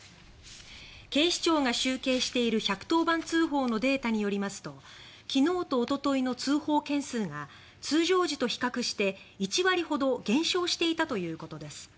警視庁が集計している１１０番通報のデータによりますと昨日とおとといの通報件数が通常時と比較して１割程減少していたということです。